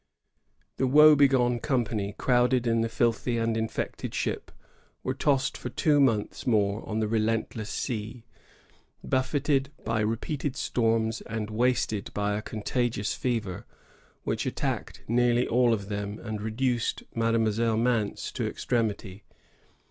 The woe begone company, crowded in the filthy and infected ship, were tossed for two months more on the relentless sea, buffeted by repeated storms and wasted by a contagious fever, which attacked nearly all of them and reduced Mademoiselle Mance to extremity.